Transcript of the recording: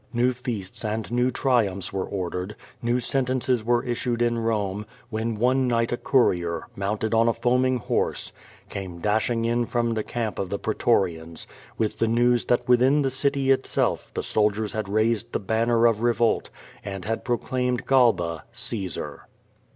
New feasts and new triumphs were or dered, new sentences were issued in Kome, when one night a. courier, mounted on a foaming horse, came dashing in front the camp of the pretorians with the news that within the city itself the soldiers had raised the banner of revolt and had pro claimed Galba, Caesar.